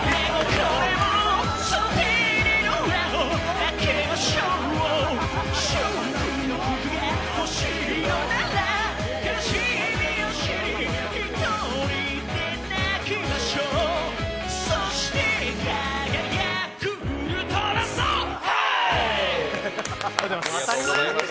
ありがとうございます。